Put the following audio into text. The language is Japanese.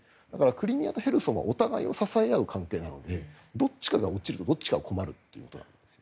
クリミアとヘルソンはお互いを支え合う関係なのでどっちかが落ちればどっちかが困るんです。